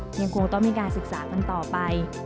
ยังคงต้องมีการศึกษากันต่อไป